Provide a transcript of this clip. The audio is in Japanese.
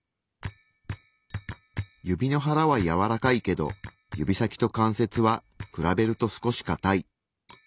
指の腹はやわらかいけど指先と関節は比べると少しかたい。